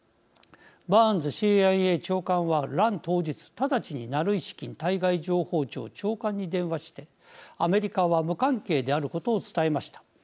バーンズＣＩＡ長官は乱当日、直ちにナルイシキン対外情報庁長官に電話してアメリカは無関係であることを伝えました。